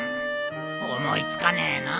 思い付かねえな。